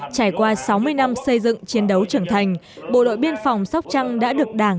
trải qua sáu mươi năm xây dựng chiến đấu trưởng thành bộ đội biên phòng sóc trăng đã được đảng